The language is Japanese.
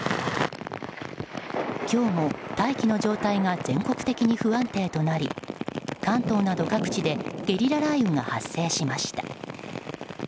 今日も大気の状態が全国的に不安定となり関東など各地でゲリラ雷雨が発生しました。